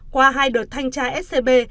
qua hai đợt thanh tra scb